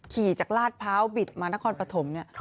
ขี่จากลาดพร้าวบิดมานครปฐมเนี่ย